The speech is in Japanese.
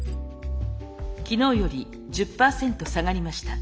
昨日より１０％下がりました。